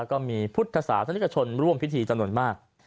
ก็มีพุทธศาสนิกชนร่วมพิธีจำนวนมาก